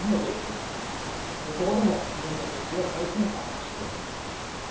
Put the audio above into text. ここでも日本の研究は最先端を走っています。